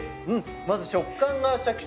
まず食感がシャキシャキで。